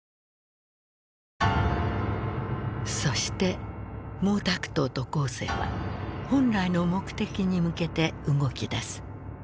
そして毛沢東と江青は本来の目的に向けて動きだす。